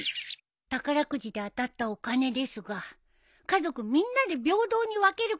宝くじで当たったお金ですが家族みんなで平等に分けることを提案します。